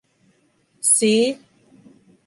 See?!